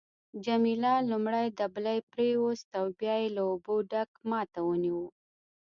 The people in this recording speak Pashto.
جميله لومړی دبلی پریویست او بیا یې له اوبو ډک ما ته ونیو.